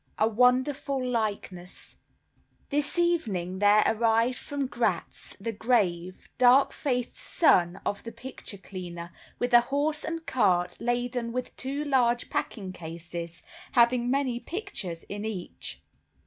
A Wonderful Likeness This evening there arrived from Gratz the grave, dark faced son of the picture cleaner, with a horse and cart laden with two large packing cases, having many pictures in each.